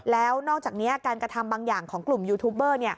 แล้วนอกจากนี้การกระทำบางอย่างของกลุ่มยูทูบเบอร์